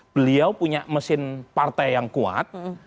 beliau punya mesin partai yang kuat